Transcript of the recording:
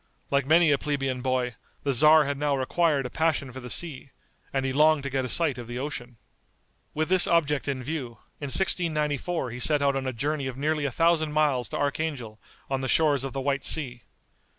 Like many a plebeian boy, the tzar had now acquired a passion for the sea, and he longed to get a sight of the ocean. With this object in view, in 1694 he set out on a journey of nearly a thousand miles to Archangel, on the shores of the White Sea.